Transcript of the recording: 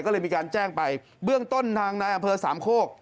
ก็เลยมีการแจ้งไปเบื้องต้นทางนายอำเภอสามโคก